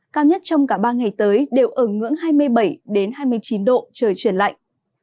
cao nhất trong cả ba ngày tới đều ở ngưỡng hai mươi bảy hai mươi chín độ trời chuyển lạnh